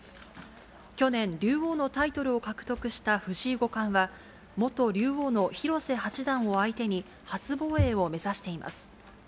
去年、竜王のタイトルを獲得した藤井五冠は、元竜王の広瀬八段を相手に、初防衛を目指しています。